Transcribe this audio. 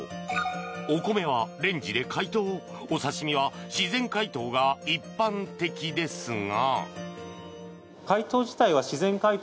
お米はレンジで解凍お刺し身は自然解凍が一般的ですが。